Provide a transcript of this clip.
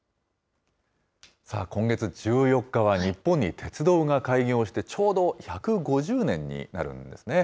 さあ、今月１４日は、日本に鉄道が開業してちょうど１５０年になるんですね。